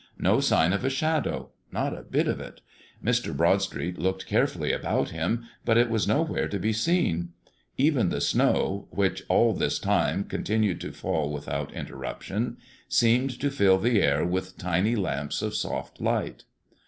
No sign of a Shadow; not a bit of it. Mr. Broadstreet looked carefully about him, but it was nowhere to be seen. Even the snow, which all this time continued to fall without interruption, seemed to fill the air with tiny lamps of soft light.